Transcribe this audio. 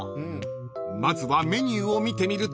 ［まずはメニューを見てみると］